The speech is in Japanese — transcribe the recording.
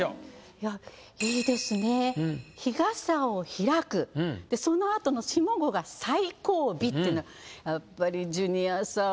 いや「日傘を開く」でそのあとの下五が「最後尾」っていうのがやっぱりジュニアさん